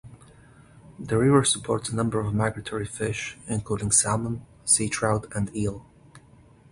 The river supports a number of migratory fish, including salmon, sea trout, and eel.